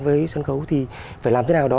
với sân khấu thì phải làm thế nào đó